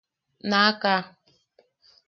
¡Naʼaka!